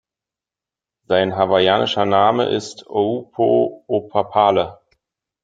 Sein hawaiischer Namen ist "o'u-po'opapale".